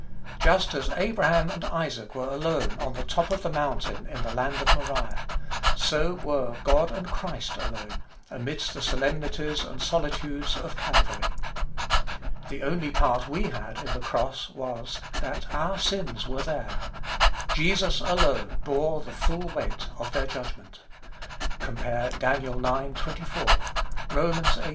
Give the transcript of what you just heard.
Just as Abraham and Isaac were alone on the top of the mountain in the land of Moriah, so were God and Christ alone, amidst the solemnities and solitudes of Calvary. The only part we had in the cross was, that our sins were there. Jesus alone bore the full weight of their judgment. (Comp. Dan. ix. 24; Rom. viii.